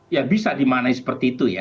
ya bisa dimanai seperti itu ya